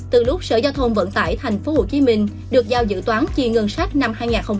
từ lúc sở giao thông vận tải tp hcm được giao dự toán chi ngân sách năm hai nghìn hai mươi